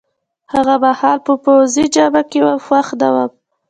هغه مهال په پوځي جامه کي وم، خوښ نه وم.